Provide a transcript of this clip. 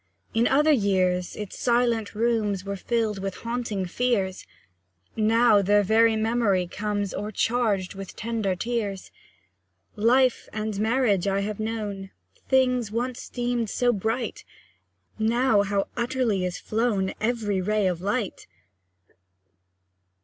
In other years, its silent rooms Were filled with haunting fears; Now, their very memory comes O'ercharged with tender tears. Life and marriage I have known. Things once deemed so bright; Now, how utterly is flown Every ray of light!